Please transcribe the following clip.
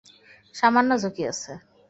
সামান্য ঝুঁকি আছে।